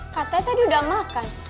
katanya tadi udah makan